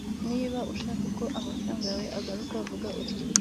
niba ushaka ko amafaranga yawe agaruka, vuga utyo